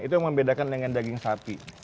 itu yang membedakan dengan daging sapi